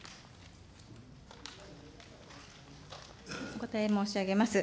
お答え申し上げます。